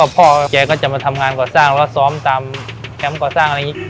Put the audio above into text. พ่อแกก็จะมาทำงานก่อสร้างแล้วซ้อมตามแคมป์ก่อสร้างอะไรอย่างนี้